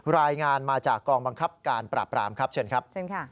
รายงานมาจากกองบังคับการปราบรามเชิญครับ